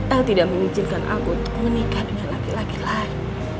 al tidak mengizinkan aku untuk menikah dengan laki laki lain